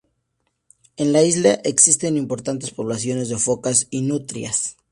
En la isla existen importantes poblaciones de focas y nutrias.